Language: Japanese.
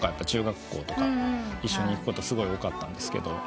中学校とか一緒に行くことすごい多かったんですけど。